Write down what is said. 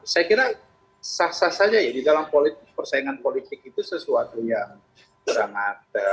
saya kira sah sah saja ya di dalam politik persaingan politik itu sesuatu yang sangat